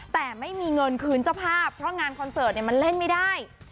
แต่ไม่มีเงินคืนเจ้าภาพเพราะงานคอนเสิร์ตมันเล่นไม่ได้